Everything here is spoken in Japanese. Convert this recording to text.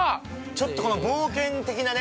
◆ちょっと冒険的なね。